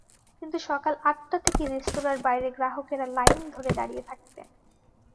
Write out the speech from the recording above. কিন্তু সকাল আটটা থেকে রেস্তোরাঁর বাইরে গ্রাহকেরা লাইন ধরে দাঁড়িয়ে থাকতেন।